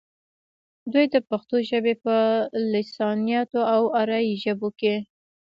دوي د پښتو ژبې پۀ لسانياتو او اريائي ژبو کښې